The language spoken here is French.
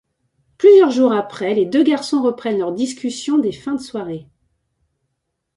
Plusieurs jours après, les deux garçons reprennent leur discussion des fins de soirée.